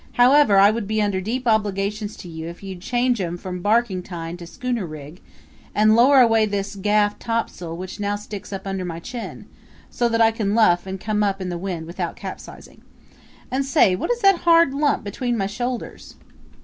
However, I would be under deep obligations to you if you'd change 'em from barkentine to schooner rig, and lower away this gaff topsail which now sticks up under my chin, so that I can luff and come up in the wind without capsizing. And say, what is that hard lump between my shoulders?"